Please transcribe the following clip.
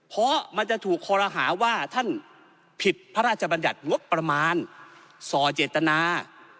เพราะมันจะถูกคอรหาว่าท่านผิดพระราชบัญญัติงบประมาณส่อเจตนา